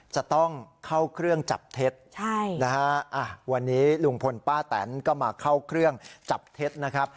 จะต้องเข้าเครื่องจับเท็จนะฮะวันนี้ลุงพลป้าแตนก็มาเข้าเครื่องจับเท็จนะครับ